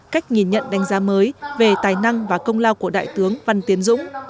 cách nhìn nhận đánh giá mới về tài năng và công lao của đại tướng văn tiến dũng